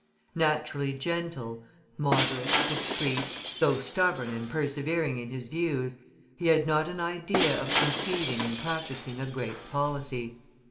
Naturally gentle, moderate, discreet, though stubborn and persevering in his views, he had not an idea of conceiving and practising a great policy.